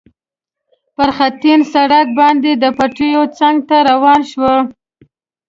پر خټین سړک باندې د پټیو څنګ ته روان شول.